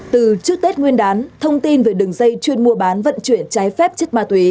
từ trước tết nguyên đán thông tin về đường dây chuyên mua bán vận chuyển trái phép chất ma túy